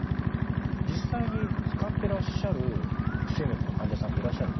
実際に使ってらっしゃる不整脈の患者さんっていらっしゃるんですか？